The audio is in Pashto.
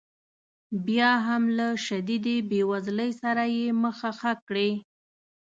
بیا هم له شدیدې بې وزلۍ سره یې مخه ښه کړې.